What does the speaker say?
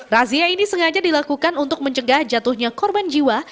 razia ini sengaja dilakukan untuk mencegah jatuhnya korban jiwa